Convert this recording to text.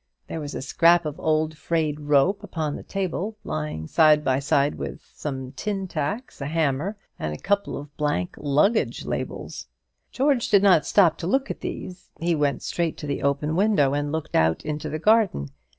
There was a scrap of old frayed rope upon the table, lying side by side with some tin tacks, a hammer, and a couple of blank luggage labels. George did not stop to look at these; he went straight to the open window and looked out into the garden.